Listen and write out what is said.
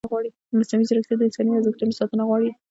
مصنوعي ځیرکتیا د انساني ارزښتونو ساتنه غواړي.